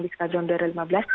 di stajion darah lima belas